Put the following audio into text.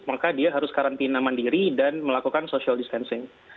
maka dia harus karantina mandiri dan melakukan social distancing